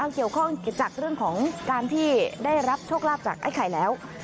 เกี่ยวข้องจากเรื่องของการที่ได้รับโชคลาภจากไอ้ไข่แล้ว